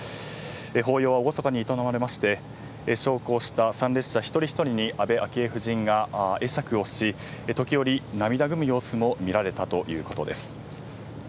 法要は厳かに営まれまして焼香した参列者一人一人に安倍昭恵夫人が会釈をし時折、涙ぐむ様子も見られたということです。